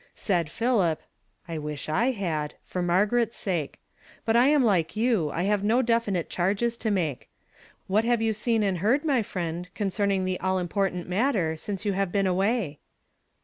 Said Philip, " I wish I had, — for Maigaret's sake. But I am like you, I have no definite charges to make. What have you seen and heard, my friend, coi:oerning the all important matter, since you have been away?"